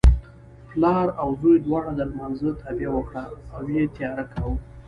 پلار او زوی دواړو د لمانځه تابیا وکړه او یې تیاری کاوه.